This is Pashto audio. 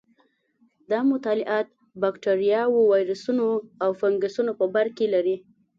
دا مطالعات بکټریاوو، ویروسونو او فنګسونو په برکې لري.